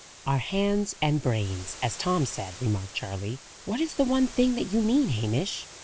"Our hands and brains, as Tom said," remarked Charley. "What is the 'one thing' that you mean, Hamish?"